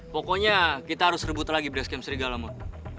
pokoknya kita harus rebut lagi basecamp serigala mon